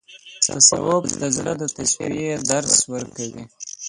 تصوف د زړه د تصفیې درس ورکوي.